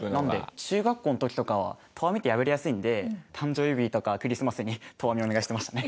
中学校の時とかは投網って破れやすいので誕生日とかクリスマスに投網をお願いしてましたね。